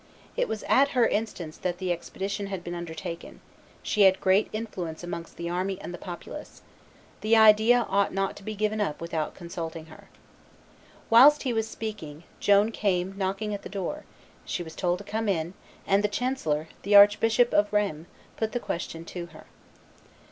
It was at her instance that the expedition had been undertaken; she had great influence amongst the army and the populace; the idea ought not to be given up without consulting her. Whilst he was speaking, Joan came knocking at the door; she was told to come in; and the chancellor, the Archbishop of Rheims, put the question to her.